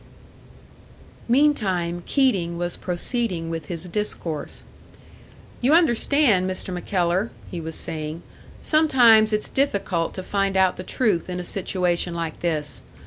Meantime Keating was proceeding with his discourse. "You understand, Mr. MacKellar," he was saying, "sometimes it's difficult to find out the truth in a situation like this.